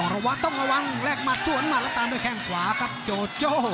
อ๋อระวังต้องระวังแลกมาส่วนมาแล้วตามด้วยแข่งขวาฟักโจโจ